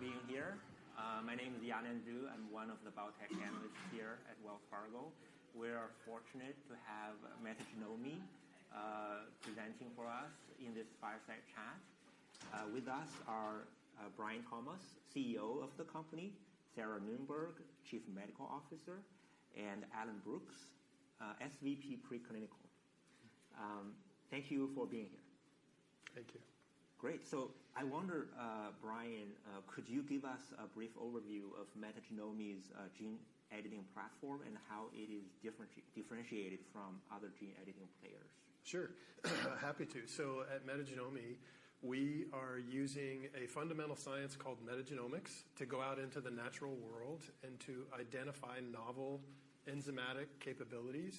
Thank you all for being here. My name is Yanan Zhu. I'm one of the biotech analysts here at Wells Fargo. We are fortunate to have Metagenomi presenting for us in this fireside chat. With us are Brian Thomas, CEO of the company, Sarah Noonberg, Chief Medical Officer, and Alan Brooks, SVP Preclinical. Thank you for being here. Thank you. Great. So I wonder, Brian, could you give us a brief overview of Metagenomi's gene editing platform and how it is differentiated from other gene editing players? Sure, happy to. So at Metagenomi, we are using a fundamental science called metagenomics to go out into the natural world and to identify novel enzymatic capabilities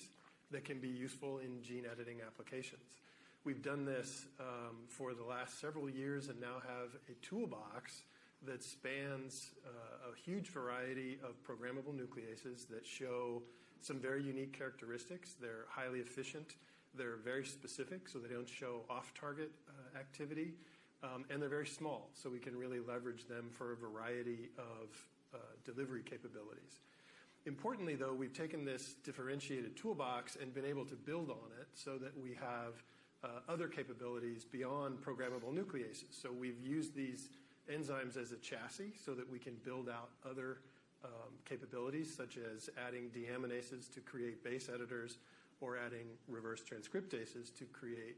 that can be useful in gene editing applications. We've done this for the last several years and now have a toolbox that spans a huge variety of programmable nucleases that show some very unique characteristics. They're highly efficient, they're very specific, so they don't show off-target activity, and they're very small, so we can really leverage them for a variety of delivery capabilities. Importantly, though, we've taken this differentiated toolbox and been able to build on it so that we have other capabilities beyond programmable nucleases. So we've used these enzymes as a chassis so that we can build out other capabilities, such as adding deaminases to create base editors or adding reverse transcriptases to create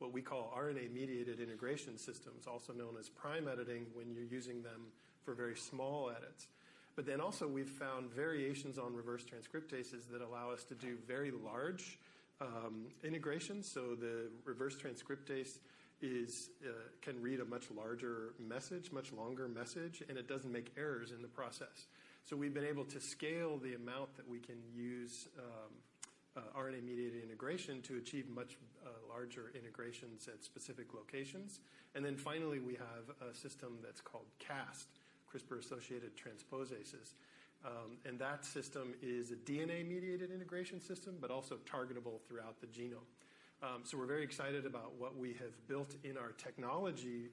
what we call RNA-mediated integration systems, also known as prime editing, when you're using them for very small edits. But then also, we've found variations on reverse transcriptases that allow us to do very large integrations, so the reverse transcriptase can read a much larger message, much longer message, and it doesn't make errors in the process, so we've been able to scale the amount that we can use RNA-mediated integration to achieve much larger integrations at specific locations, and then finally, we have a system that's called CAST, CRISPR-associated transposases, and that system is a DNA-mediated integration system, but also targetable throughout the genome. We're very excited about what we have built in our technology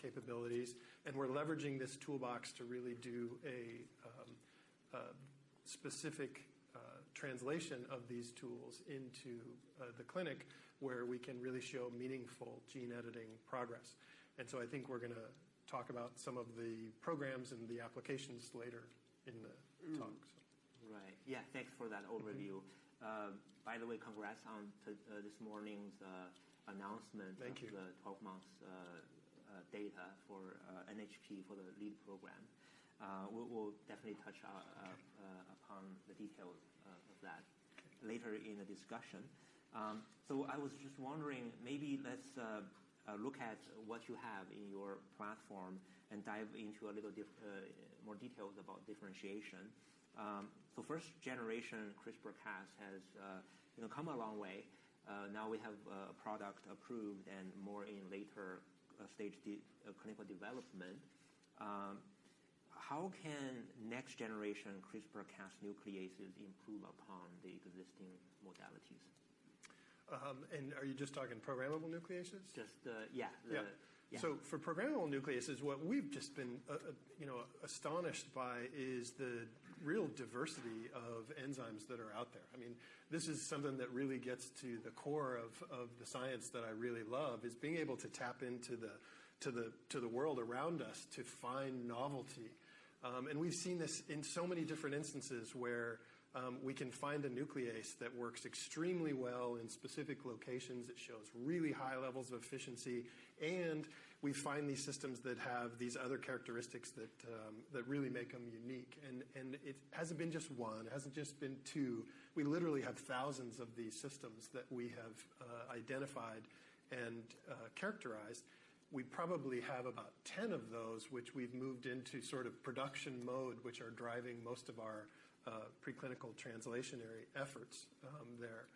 capabilities, and we're leveraging this toolbox to really do a specific translation of these tools into the clinic, where we can really show meaningful gene editing progress, and so I think we're gonna talk about some of the programs and the applications later in the talk. Right. Yeah, thanks for that overview. By the way, congrats on this morning's announcement. Thank you... of the twelve-month data for NHP for the lead program. We'll definitely touch upon the details of that later in the discussion. So I was just wondering, maybe let's look at what you have in your platform and dive into a little more details about differentiation. The first-generation CRISPR-Cas has, you know, come a long way. Now we have a product approved and more in later stage clinical development. How can next-generation CRISPR-Cas nucleases improve upon the existing modalities? And are you just talking programmable nucleases? Yeah, the- Yeah. Yeah. So for programmable nucleases, what we've just been, you know, astonished by is the real diversity of enzymes that are out there. I mean, this is something that really gets to the core of the science that I really love, is being able to tap into the world around us to find novelty. And we've seen this in so many different instances, where we can find a nuclease that works extremely well in specific locations. It shows really high levels of efficiency, and we find these systems that have these other characteristics that really make them unique. And it hasn't been just one, it hasn't just been two. We literally have thousands of these systems that we have identified and characterized. We probably have about 10 of those, which we've moved into sort of production mode, which are driving most of our preclinical translational efforts there.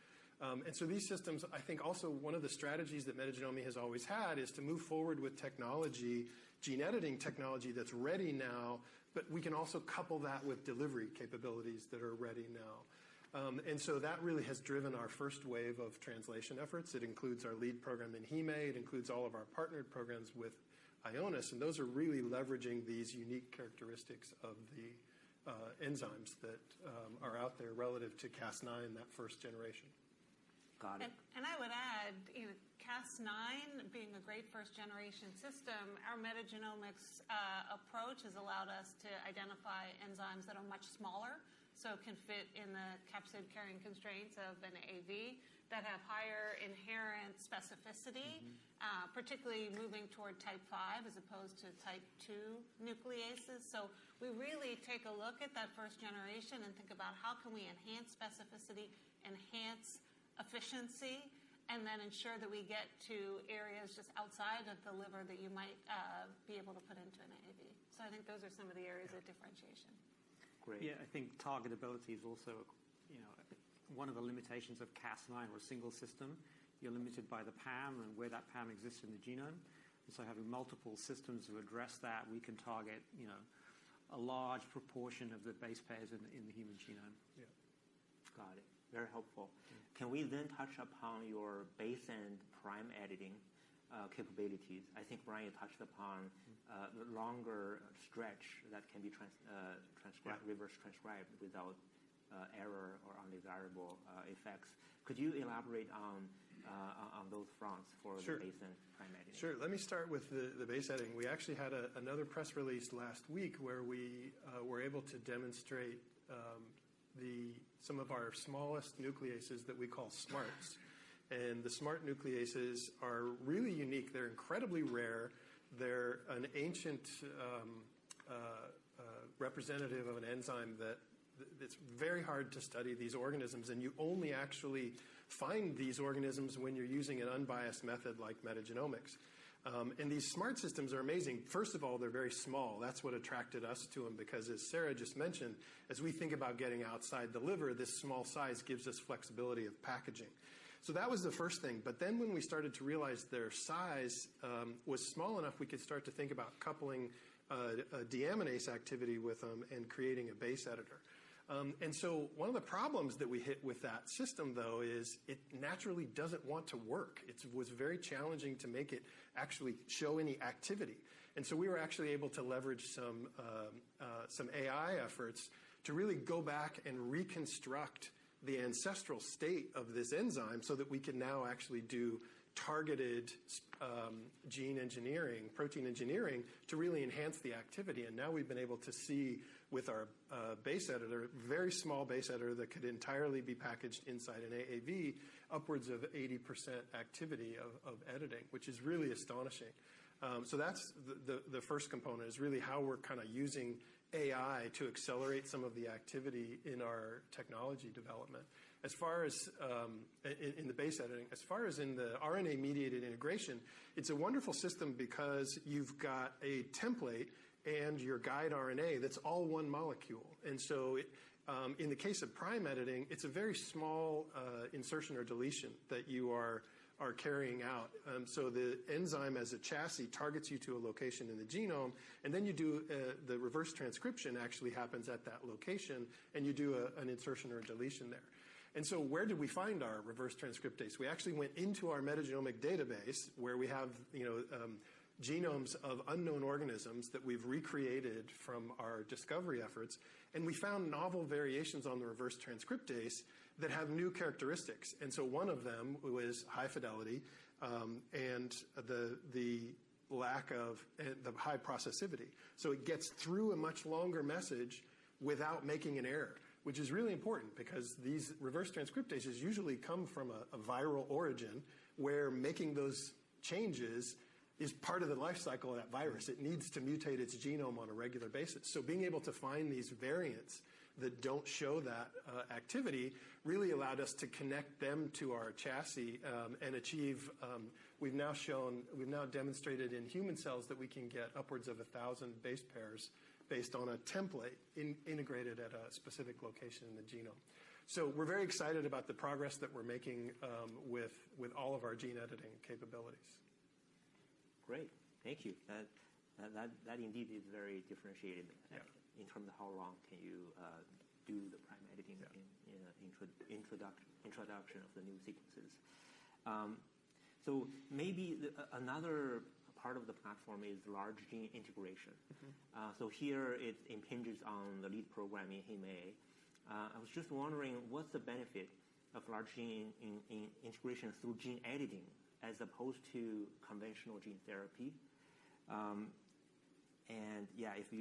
And so these systems, I think also one of the strategies that Metagenomi has always had is to move forward with technology, gene editing technology, that's ready now, but we can also couple that with delivery capabilities that are ready now. And so that really has driven our first wave of translation efforts. It includes our Lead program in Heme, it includes all of our partnered programs with Ionis, and those are really leveraging these unique characteristics of the enzymes that are out there relative to Cas9, that first generation. Got it. I would add, you know, Cas9 being a great first-generation system, our metagenomics approach has allowed us to identify enzymes that are much smaller, so can fit in the capsid carrying constraints of an AAV, that have higher inherent specificity. Mm-hmm. Particularly moving toward Type V as opposed to Type II nucleases. So we really take a look at that first generation and think about how can we enhance specificity, enhance efficiency, and then ensure that we get to areas just outside of the liver that you might be able to put into an AAV. So I think those are some of the areas of differentiation. Great. Yeah, I think targetability is also, you know, one of the limitations of Cas9 or single system. You're limited by the PAM and where that PAM exists in the genome, and so having multiple systems to address that, we can target, you know, a large proportion of the base pairs in the human genome. Yeah.... Got it. Very helpful. Can we then touch upon your base and prime editing capabilities? I think, Brian, you touched upon the longer stretch that can be transcribed reverse transcribed without error or undesirable effects. Could you elaborate on those fronts for- Sure The base and prime editing? Sure. Let me start with the base editing. We actually had another press release last week where we were able to demonstrate some of our smallest nucleases that we call SMARTs. And the SMART nucleases are really unique. They're incredibly rare. They're an ancient representative of an enzyme that that's very hard to study these organisms, and you only actually find these organisms when you're using an unbiased method like metagenomics. And these SMART systems are amazing. First of all, they're very small. That's what attracted us to them, because as Sarah just mentioned, as we think about getting outside the liver, this small size gives us flexibility of packaging. So that was the first thing. But then, when we started to realize their size was small enough, we could start to think about coupling a deaminase activity with them and creating a base editor. And so one of the problems that we hit with that system, though, is it naturally doesn't want to work. It's was very challenging to make it actually show any activity. And so we were actually able to leverage some some AI efforts to really go back and reconstruct the ancestral state of this enzyme so that we can now actually do targeted gene engineering, protein engineering to really enhance the activity. And now we've been able to see with our base editor, very small base editor, that could entirely be packaged inside an AAV, upwards of 80% activity of editing, which is really astonishing. So that's the first component is really how we're kind of using AI to accelerate some of the activity in our technology development. As far as in the base editing, as far as in the RNA-mediated integration, it's a wonderful system because you've got a template and your guide RNA that's all one molecule. And so it in the case of prime editing, it's a very small insertion or deletion that you are carrying out. So the enzyme as a chassis targets you to a location in the genome, and then the reverse transcription actually happens at that location, and you do an insertion or a deletion there. And so where did we find our reverse transcriptase? We actually went into our metagenomic database, where we have, you know, genomes of unknown organisms that we've recreated from our discovery efforts, and we found novel variations on the reverse transcriptase that have new characteristics. And so one of them was high fidelity and the lack of the high processivity, so it gets through a much longer message without making an error, which is really important because these reverse transcriptases usually come from a viral origin, where making those changes is part of the life cycle of that virus. It needs to mutate its genome on a regular basis. So being able to find these variants that don't show that activity really allowed us to connect them to our chassis and achieve... We've now demonstrated in human cells that we can get upwards of a thousand base pairs based on a template integrated at a specific location in the genome. So we're very excited about the progress that we're making with all of our gene editing capabilities. Great. Thank you. That indeed is very differentiating- Yeah -in terms of how long can you do the prime editing? Yeah in the introduction of the new sequences. So maybe another part of the platform is large gene integration. Mm-hmm. Here it impinges on the lead program in Heme. I was just wondering, what's the benefit of large gene integration through gene editing as opposed to conventional gene therapy, and if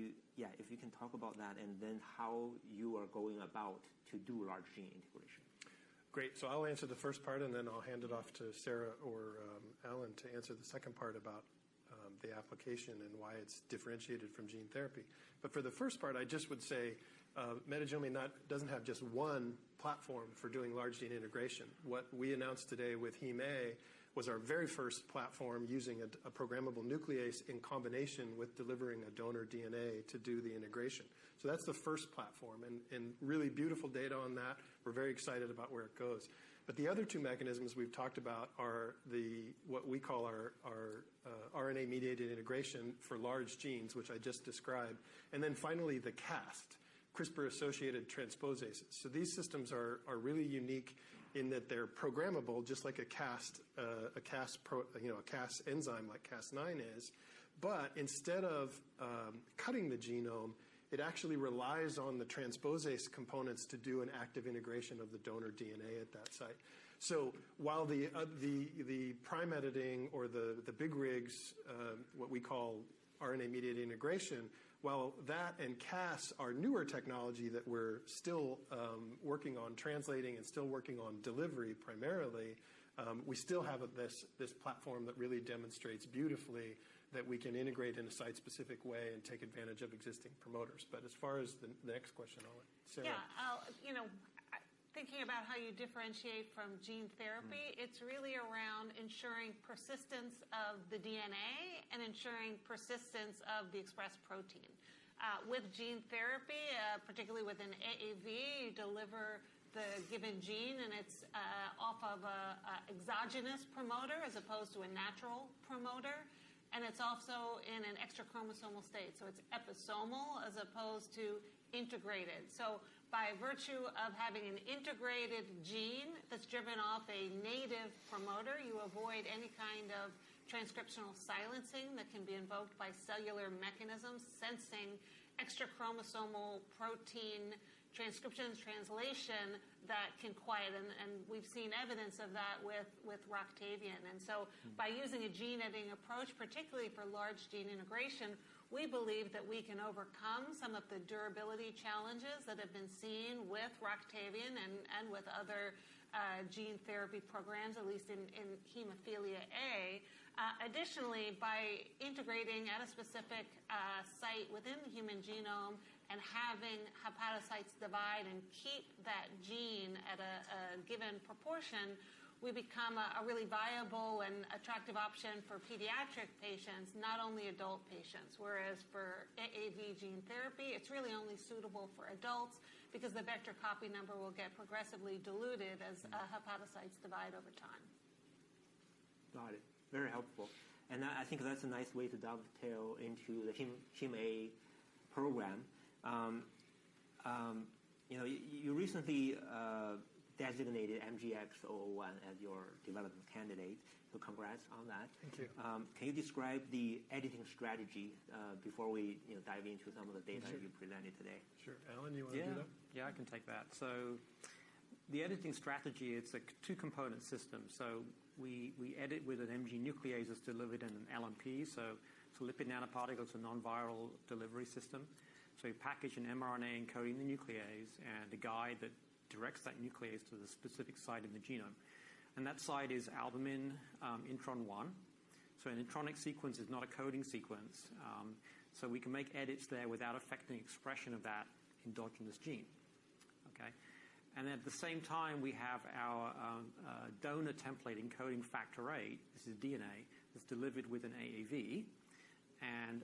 you can talk about that, and then how you are going about to do large gene integration. Great. So I'll answer the first part, and then I'll hand it off to Sarah or Alan, to answer the second part about the application and why it's differentiated from gene therapy. But for the first part, I just would say Metagenomi doesn't have just one platform for doing large gene integration. What we announced today with Heme was our very first platform using a programmable nuclease in combination with delivering a donor DNA to do the integration. So that's the first platform, and really beautiful data on that. We're very excited about where it goes. But the other two mechanisms we've talked about are what we call our RNA-mediated integration for large genes, which I just described, and then finally, the CAST CRISPR-associated transposases. So these systems are really unique in that they're programmable, just like a Cas, you know, a Cas enzyme like Cas9 is. But instead of cutting the genome, it actually relies on the transposase components to do an active integration of the donor DNA at that site. So while the prime editing or the Big RIGs, what we call RNA-mediated integration, while that and Cas are newer technology that we're still working on translating and still working on delivery, primarily, we still have this platform that really demonstrates beautifully that we can integrate in a site-specific way and take advantage of existing promoters. But as far as the next question, I'll let Sarah- Yeah, I'll. You know, thinking about how you differentiate from gene therapy, it's really around ensuring persistence of the DNA and ensuring persistence of the expressed protein. With gene therapy, particularly with an AAV, you deliver the given gene, and it's off of an exogenous promoter as opposed to a natural promoter, and it's also in an extrachromosomal state, so it's episomal as opposed to integrated. So by virtue of having an integrated gene that's driven off a native promoter, you avoid any kind of transcriptional silencing that can be invoked by cellular mechanisms sensing extrachromosomal protein transcription, translation that can quiet, and we've seen evidence of that with Roctavian. And so by using a gene-editing approach, particularly for large gene integration, we believe that we can overcome some of the durability challenges that have been seen with Roctavian and with other gene therapy programs, at least in hemophilia A. Additionally, by integrating at a specific site within the human genome and having hepatocytes divide and keep that gene at a given proportion, we become a really viable and attractive option for pediatric patients, not only adult patients. Whereas for AAV gene therapy, it's really only suitable for adults because the vector copy number will get progressively diluted as hepatocytes divide over time. Got it. Very helpful, and I think that's a nice way to dovetail into the Hem A program. You know, you recently designated MGX-001 as your development candidate, so congrats on that. Thank you. Can you describe the editing strategy before we, you know, dive into some of the data you presented today? Sure. Alan, you wanna do that? Yeah. Yeah, I can take that. So the editing strategy, it's a two-component system, so we edit with an MG nuclease that's delivered in an LNP, so it's a lipid nanoparticle, it's a non-viral delivery system. So we package an mRNA encoding the nuclease and a guide that directs that nuclease to the specific site in the genome, and that site is albumin intron one. So an intronic sequence is not a coding sequence. So we can make edits there without affecting expression of that endogenous gene. Okay? And at the same time, we have our donor template encoding Factor VIII. This is DNA that's delivered with an AAV, and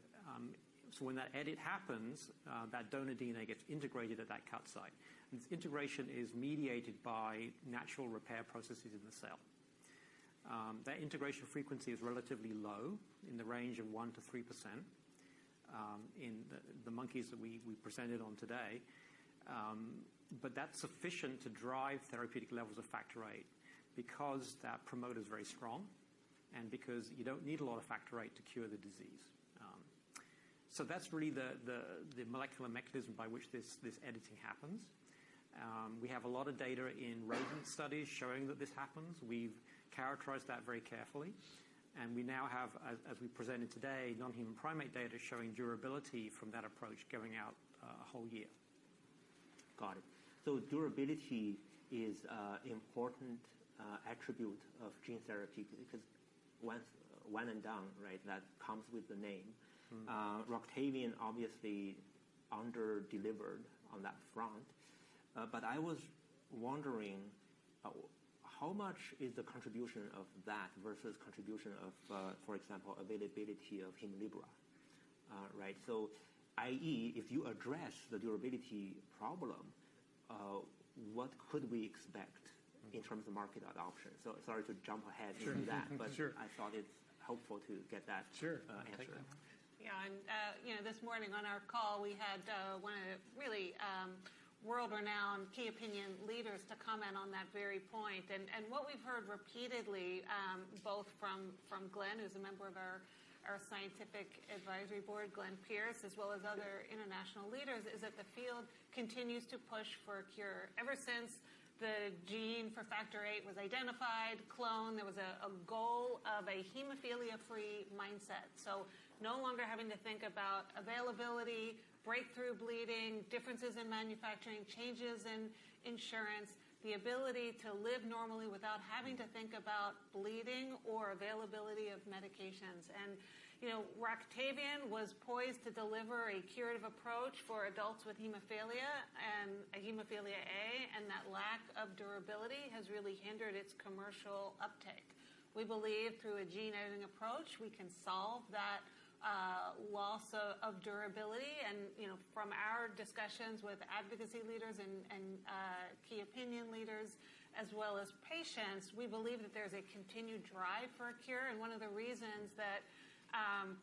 so when that edit happens, that donor DNA gets integrated at that cut site, and this integration is mediated by natural repair processes in the cell. That integration frequency is relatively low, in the range of 1%-3%, in the monkeys that we presented on today. But that's sufficient to drive therapeutic levels of Factor VIII because that promoter is very strong and because you don't need a lot of Factor VIII to cure the disease. So that's really the molecular mechanism by which this editing happens. We have a lot of data in rodent studies showing that this happens. We've characterized that very carefully, and we now have, as we presented today, non-human primate data showing durability from that approach going out, a whole year. Got it, so durability is an important attribute of gene therapy because one and done, right? That comes with the name. Roctavian obviously under-delivered on that front, but I was wondering, how much is the contribution of that versus contribution of, for example, availability of Hemlibra? Right, so i.e., if you address the durability problem, what could we expect in terms of market adoption? So sorry to jump ahead into that. Sure. Sure. but I thought it's helpful to get that. Sure... answer. Sure. Yeah, and you know, this morning on our call, we had one of the really world-renowned key opinion leaders to comment on that very point. What we've heard repeatedly both from Glenn, who's a member of our scientific advisory board, Glenn Pierce, as well as other international leaders, is that the field continues to push for a cure. Ever since the gene for factor VIII was identified, cloned, there was a goal of a hemophilia-free mindset. So no longer having to think about availability, breakthrough bleeding, differences in manufacturing, changes in insurance, the ability to live normally without having to think about bleeding or availability of medications. You know, Roctavian was poised to deliver a curative approach for adults with hemophilia and hemophilia A, and that lack of durability has really hindered its commercial uptake. We believe through a gene-editing approach, we can solve that loss of durability, and you know, from our discussions with advocacy leaders and key opinion leaders as well as patients, we believe that there's a continued drive for a cure, and one of the reasons that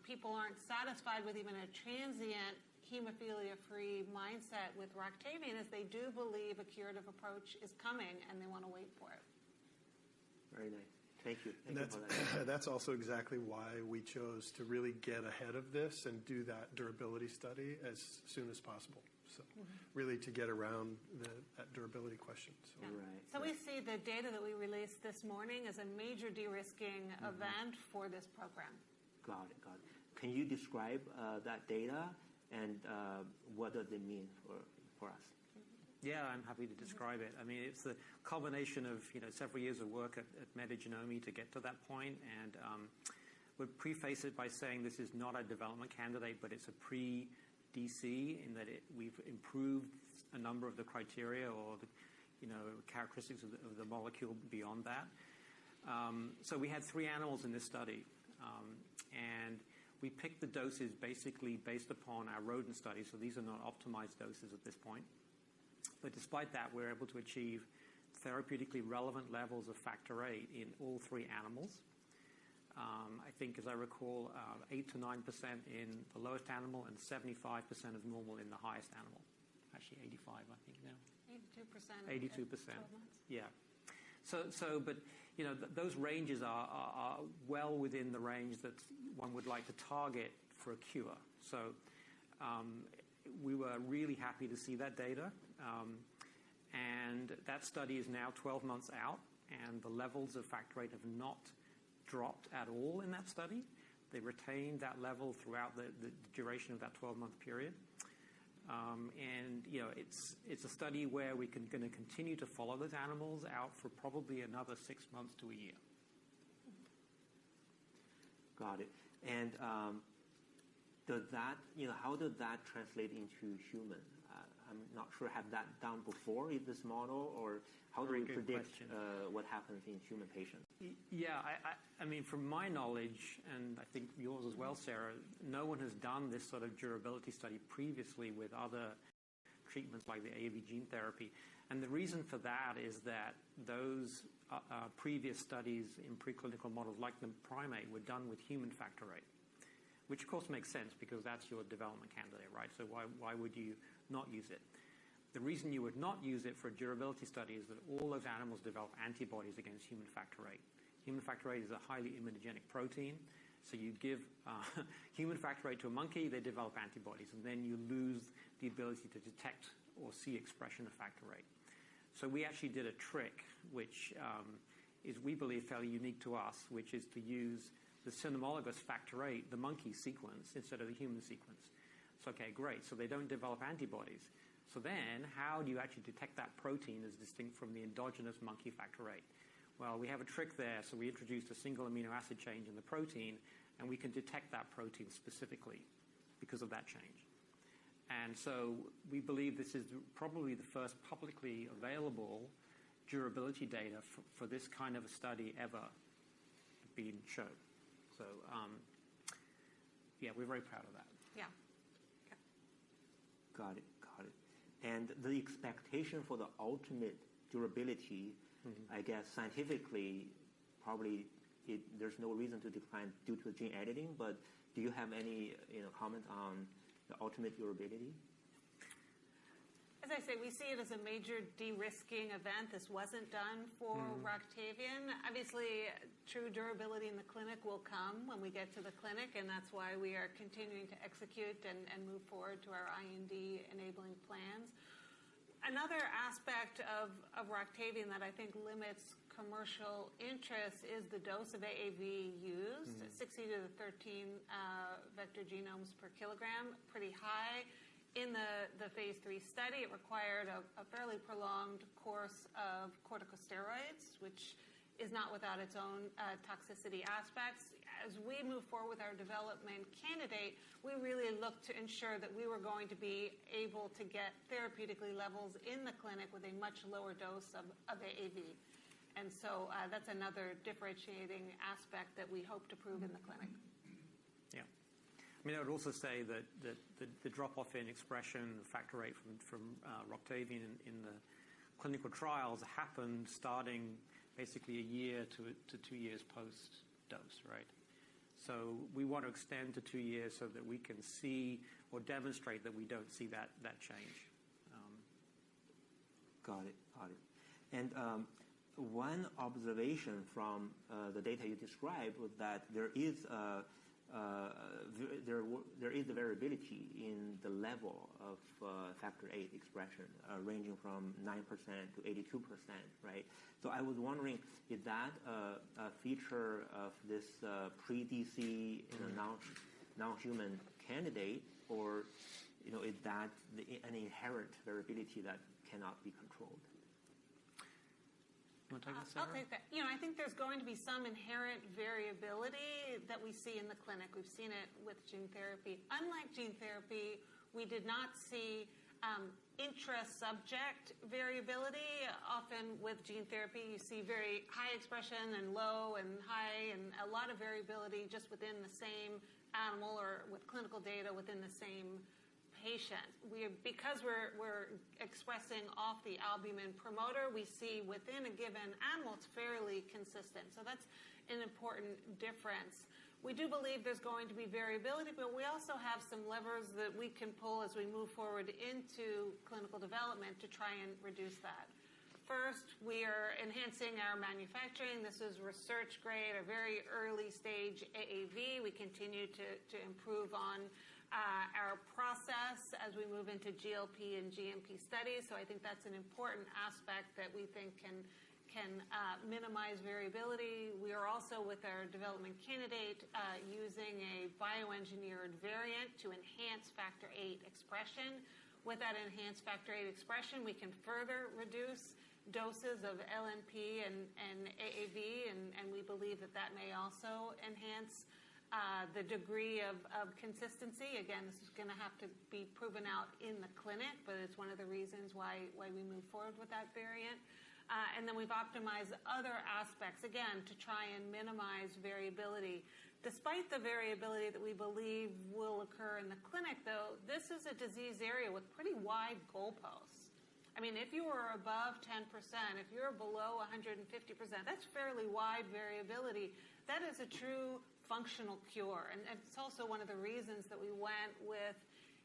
people aren't satisfied with even a transient hemophilia-free mindset with Roctavian is they do believe a curative approach is coming, and they wanna wait for it. Very nice. Thank you. Thank you for that. Mm-hmm. That's also exactly why we chose to really get ahead of this and do that durability study as soon as possible really to get around that durability question, so. Right. So we see the data that we released this morning as a major de-risking event for this program. Got it. Got it. Can you describe that data and what do they mean for us? Yeah, I'm happy to describe it. I mean, it's the culmination of, you know, several years of work at Metagenomi to get to that point. And we'd preface it by saying this is not a development candidate, but it's a pre-DC, in that it-- we've improved a number of the criteria or the, you know, characteristics of the molecule beyond that. So we had three animals in this study, and we picked the doses basically based upon our rodent studies, so these are not optimized doses at this point. But despite that, we're able to achieve therapeutically relevant levels of factor VIII in all three animals. I think, as I recall, 8-9% in the lowest animal and 75% of normal in the highest animal. Actually, 85%, I think, yeah. Eighty-two percent- Eighty-two percent. Twelve months. Yeah. But, you know, those ranges are well within the range that one would like to target for a cure. So, we were really happy to see that data, and that study is now 12 months out, and the levels of factor VIII have not dropped at all in that study. They retained that level throughout the duration of that 12-month period. And, you know, it's a study where we can gonna continue to follow those animals out for probably another 6 months to a year. Got it. And, does that, you know, how did that translate into human? I'm not sure, have that done before with this model or- Very good question. How do you predict what happens in human patients? Yeah, I mean, from my knowledge, and I think yours as well, Sarah, no one has done this sort of durability study previously with other treatments like the AAV gene therapy. And the reason for that is that those previous studies in preclinical models, like the primate, were done with human factor VIII, which of course makes sense because that's your development candidate, right? So why would you not use it? The reason you would not use it for durability study is that all those animals develop antibodies against human factor VIII. Human factor VIII is a highly immunogenic protein, so you give human factor VIII to a monkey, they develop antibodies, and then you lose the ability to detect or see expression of factor VIII. So we actually did a trick, which is, we believe, fairly unique to us, which is to use the cynomolgus factor VIII, the monkey sequence, instead of the human sequence. So okay, great, so they don't develop antibodies. So then, how do you actually detect that protein as distinct from the endogenous monkey factor VIII? Well, we have a trick there. So we introduced a single amino acid change in the protein, and we can detect that protein specifically because of that change. And so we believe this is probably the first publicly available durability data for this kind of a study ever being shown. So, yeah, we're very proud of that. Yeah. Okay. Got it. Got it. And the expectation for the ultimate durability I guess scientifically, probably there's no reason to decline due to gene editing, but do you have any, you know, comment on the ultimate durability? As I said, we see it as a major de-risking event. This wasn't done for Roctavian. Obviously, true durability in the clinic will come when we get to the clinic, and that's why we are continuing to execute and move forward to our IND-enabling plans. Another aspect of Roctavian that I think limits commercial interest is the dose of AAV used. 6e13 vector genomes per kilogram, pretty high. In the phase III study, it required a fairly prolonged course of corticosteroids, which is not without its own, toxicity aspects. As we move forward with our development candidate, we really look to ensure that we were going to be able to get therapeutic levels in the clinic with a much lower dose of, AAV. And so, that's another differentiating aspect that we hope to prove in the clinic. Yeah. I mean, I would also say that the drop-off in expression, the factor VIII from Roctavian in the clinical trials happened starting basically a year to two years post-dose, right? So we want to extend to two years so that we can see or demonstrate that we don't see that change. Got it. Got it. And, one observation from, the data you described was that there is a variability in the level of, factor VIII expression, ranging from 9% to 82%, right? So I was wondering, is that a feature of this, pre-DC in a non-human candidate, or, you know, is that an inherent variability that cannot be controlled? Wanna talk about, Sarah? Okay. You know, I think there's going to be some inherent variability that we see in the clinic. We've seen it with gene therapy. Unlike gene therapy, we did not see intra-subject variability. Often with gene therapy, you see very high expression and low and high and a lot of variability just within the same animal or with clinical data within the same patient. Because we're expressing off the albumin promoter, we see within a given animal it's fairly consistent, so that's an important difference. We do believe there's going to be variability, but we also have some levers that we can pull as we move forward into clinical development to try and reduce that. First, we are enhancing our manufacturing. This is research-grade, a very early-stage AAV. We continue to improve on our process as we move into GLP and GMP studies, so I think that's an important aspect that we think can minimize variability. We are also, with our development candidate, using a bioengineered variant to enhance factor VIII expression. With that enhanced factor VIII expression, we can further reduce doses of LNP and AAV, and we believe that enhances the degree of consistency. Again, this is gonna have to be proven out in the clinic, but it's one of the reasons why we moved forward with that variant. And then we've optimized other aspects, again, to try and minimize variability. Despite the variability that we believe will occur in the clinic, though, this is a disease area with pretty wide goalposts. I mean, if you are above 10%, if you're below 150%, that's fairly wide variability. That is a true functional cure, and it's also one of the reasons that we went with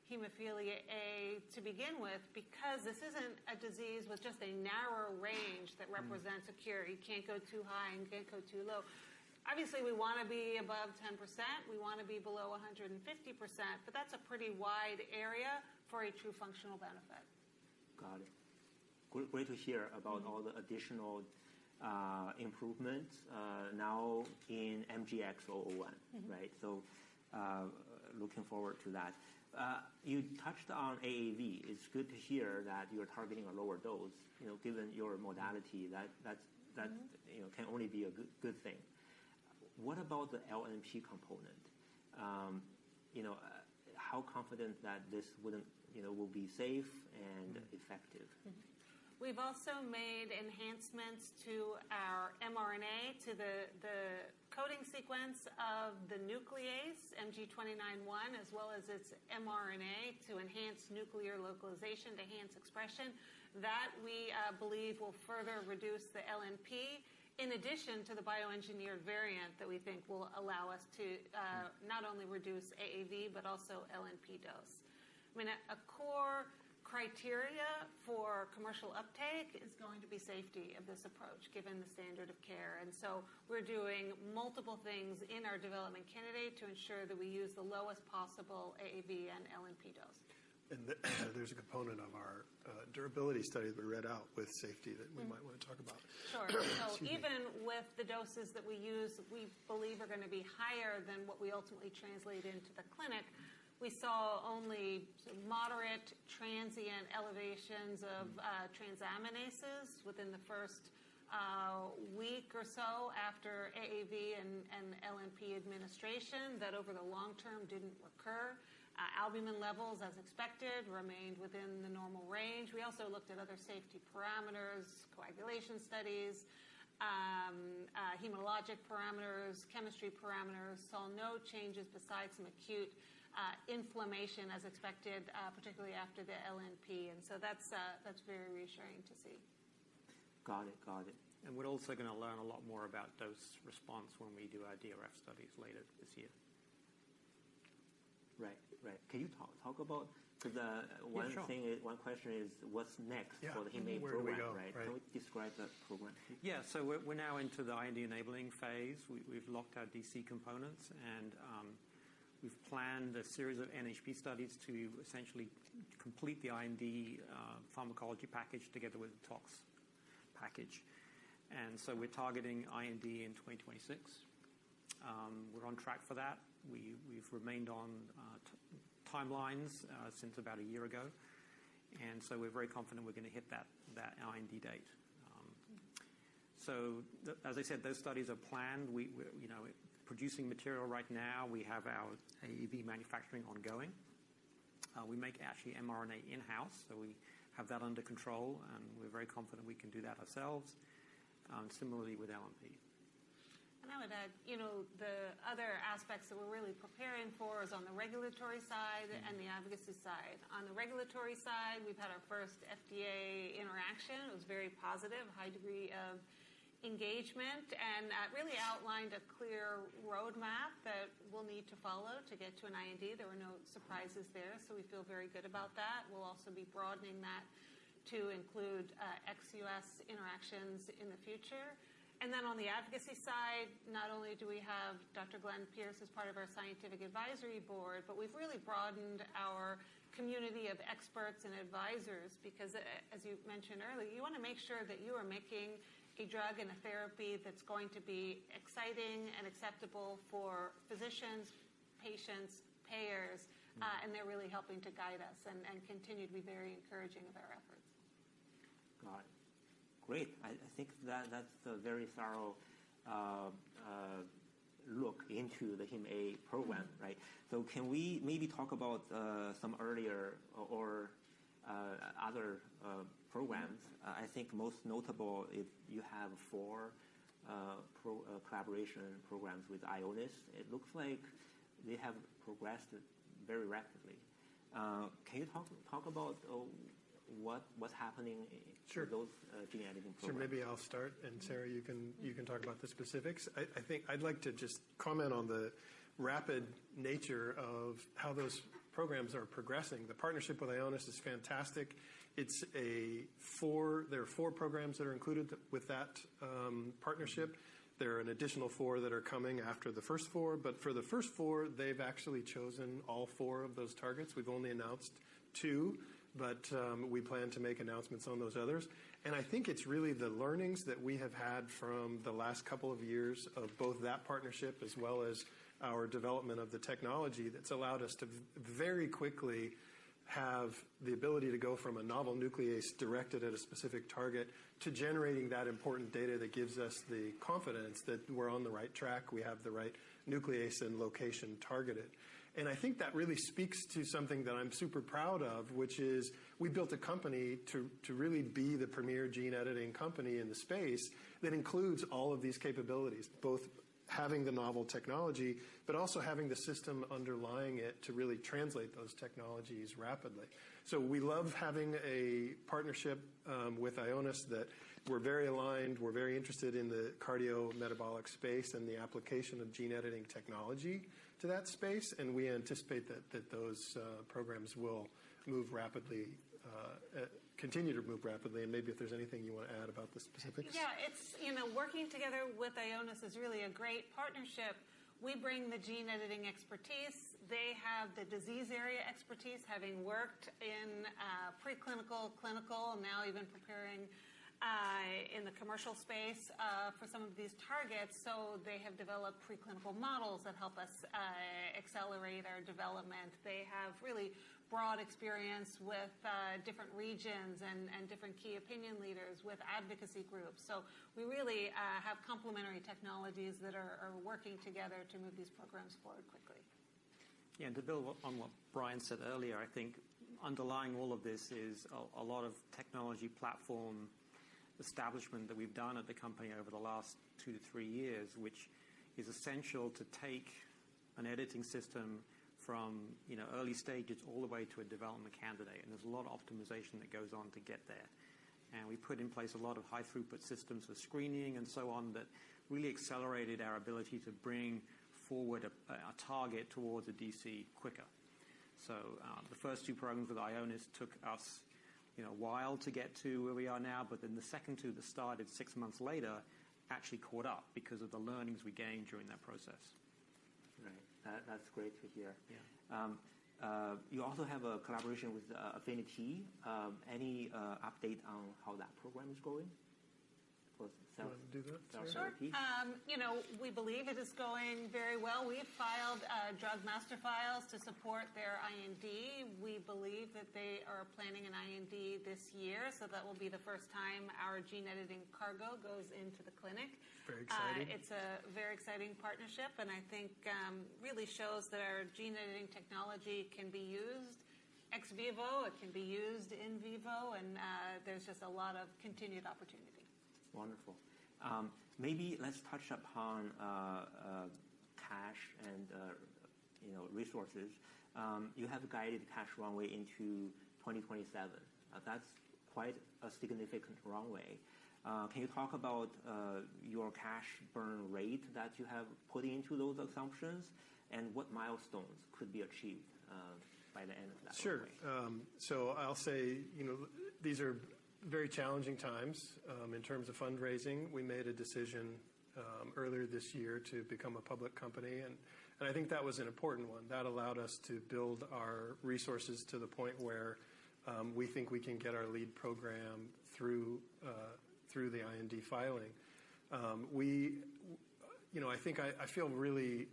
hemophilia A to begin with, because this isn't a disease with just a narrow range that represents a cure. You can't go too high, and you can't go too low. Obviously, we wanna be above 10%, we wanna be below 150%, but that's a pretty wide area for a true functional benefit. Got it. Great, great to hear about all the additional improvements now in MGX-001. Right? So, looking forward to that. You touched on AAV. It's good to hear that you're targeting a lower dose. You know, given your modality, that, that's, that, you know, can only be a good, good thing. What about the LNP component? You know, how confident that this wouldn't, you know, will be safe and effective? Mm-hmm. We've also made enhancements to our mRNA, to the coding sequence of the nuclease MG29-1, as well as its mRNA, to enhance nuclear localization, to enhance expression. That we believe will further reduce the LNP, in addition to the bioengineered variant that we think will allow us to not only reduce AAV, but also LNP dose. I mean, a core criteria for commercial uptake is going to be safety of this approach, given the standard of care, and so we're doing multiple things in our development candidate to ensure that we use the lowest possible AAV and LNP dose. There's a component of our durability study that we read out with safety that we might wanna talk about. Sure. Excuse me. So even with the doses that we use, we believe are gonna be higher than what we ultimately translate into the clinic, we saw only moderate transient elevations of transaminases within the first week or so after AAV and LNP administration that, over the long term, didn't recur. Albumin levels, as expected, remained within the normal range. We also looked at other safety parameters, coagulation studies, hematologic parameters, chemistry parameters. Saw no changes besides some acute inflammation as expected, particularly after the LNP, and so that's very reassuring to see. Got it. Got it. We're also gonna learn a lot more about dose response when we do our DRF studies later this year. Right. Can you talk about... Yeah, sure. One question is, what's next- Yeah... for the Hem A program, right? Where do we go, right? Can we describe that program please? Yeah. So we're now into the IND-enabling phase. We've locked our DC components, and we've planned a series of NHP studies to essentially complete the IND pharmacology package together with the tox package, and so we're targeting IND in 2026. We're on track for that. We've remained on timelines since about a year ago, and so we're very confident we're gonna hit that IND date. As I said, those studies are planned. We're, you know, producing material right now. We have our AAV manufacturing ongoing. We make actually mRNA in-house, so we have that under control, and we're very confident we can do that ourselves, similarly with LNP. And I would add, you know, the other aspects that we're really preparing for is on the regulatory side and the advocacy side. On the regulatory side, we've had our first FDA interaction. It was very positive, a high degree of engagement, and really outlined a clear roadmap that we'll need to follow to get to an IND. There were no surprises there, so we feel very good about that. We'll also be broadening that to include ex U.S. interactions in the future. And then on the advocacy side, not only do we have Dr. Glenn Pierce as part of our scientific advisory board, but we've really broadened our community of experts and advisors because, as you mentioned earlier, you wanna make sure that you are making a drug and a therapy that's going to be exciting and acceptable for physicians, patients, payers. And they're really helping to guide us and continue to be very encouraging of our efforts. Got it. Great! I think that that's a very thorough look into the Hem A program, right? Can we maybe talk about some earlier or other programs? I think most notable, if you have four collaboration programs with Ionis, it looks like they have progressed very rapidly. Can you talk about what's happening- Sure... in those, gene editing programs? Sure. Maybe I'll start, and Sarah, you can talk about the specifics. I think I'd like to just comment on the rapid nature of how those programs are progressing. The partnership with Ionis is fantastic. There are four programs that are included with that partnership. There are an additional four that are coming after the first four, but for the first four, they've actually chosen all four of those targets. We've only announced two, but we plan to make announcements on those others, and I think it's really the learnings that we have had from the last couple of years of both that partnership, as well as our development of the technology, that's allowed us to very quickly have the ability to go from a novel nuclease directed at a specific target to generating that important data that gives us the confidence that we're on the right track, we have the right nuclease and location targeted. And I think that really speaks to something that I'm super proud of, which is we built a company to really be the premier gene editing company in the space that includes all of these capabilities, both having the novel technology but also having the system underlying it to really translate those technologies rapidly. So we love having a partnership with Ionis that we're very aligned, we're very interested in the cardiometabolic space and the application of gene editing technology to that space, and we anticipate that those programs will move rapidly, continue to move rapidly. Maybe if there's anything you want to add about the specifics. Yeah, it's, you know, working together with Ionis is really a great partnership. We bring the gene editing expertise, they have the disease area expertise, having worked in, preclinical, clinical, and now even preparing, in the commercial space, for some of these targets. So they have developed preclinical models that help us, accelerate our development. They have really broad experience with, different regions and different key opinion leaders with advocacy groups. So we really, have complementary technologies that are working together to move these programs forward quickly. Yeah, and to build on what Brian said earlier, I think underlying all of this is a lot of technology platform establishment that we've done at the company over the last two to three years, which is essential to take an editing system from, you know, early stages all the way to a development candidate, and there's a lot of optimization that goes on to get there. And we put in place a lot of high-throughput systems for screening and so on, that really accelerated our ability to bring forward a target towards a DC quicker. So, the first two programs with Ionis took us, you know, a while to get to where we are now, but then the second two, that started six months later, actually caught up because of the learnings we gained during that process. Right. That, that's great to hear. Yeah. You also have a collaboration with Affini-T. Any update on how that program is going? For cell- You want to do that, Sarah? Sure. You know, we believe it is going very well. We've filed drug master files to support their IND. We believe that they are planning an IND this year, so that will be the first time our gene editing cargo goes into the clinic. Very exciting. It's a very exciting partnership, and I think really shows that our gene editing technology can be used ex vivo. It can be used in vivo, and there's just a lot of continued opportunity. Wonderful. Maybe let's touch upon cash and, you know, resources. You have guided the cash runway into 2027. That's quite a significant runway. Can you talk about your cash burn rate that you have put into those assumptions, and what milestones could be achieved by the end of that runway? Sure. So I'll say, you know, these are very challenging times. In terms of fundraising, we made a decision earlier this year to become a public company, and I think that was an important one that allowed us to build our resources to the point where we think we can get our lead program through the IND filing. You know, I think I feel really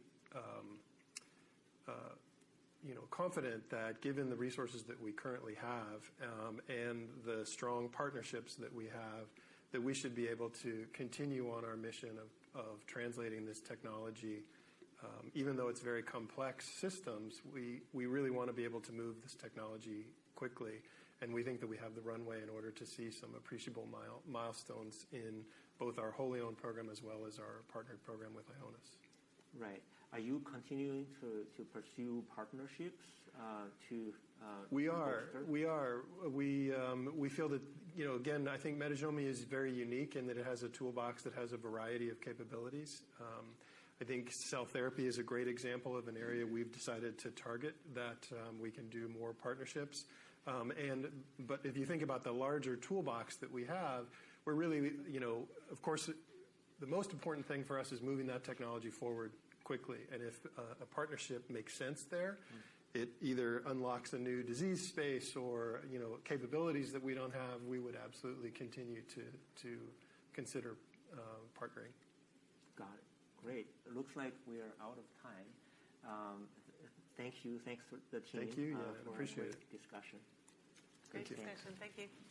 confident that given the resources that we currently have and the strong partnerships that we have, that we should be able to continue on our mission of translating this technology. Even though it's very complex systems, we really want to be able to move this technology quickly, and we think that we have the runway in order to see some appreciable milestones in both our wholly owned program as well as our partnered program with Ionis. Right. Are you continuing to pursue partnerships, to We are- further? We are. We, we feel that... You know, again, I think Metagenomi is very unique in that it has a toolbox that has a variety of capabilities. I think cell therapy is a great example of an area we've decided to target that, we can do more partnerships. And but if you think about the larger toolbox that we have, we're really, you know. Of course, the most important thing for us is moving that technology forward quickly, and if a partnership makes sense there, it either unlocks a new disease space or, you know, capabilities that we don't have, we would absolutely continue to consider partnering. Got it. Great! It looks like we are out of time. Thank you. Thanks for the team- Thank you. Yeah, appreciate it. For a great discussion. Great. Thanks. Thank you.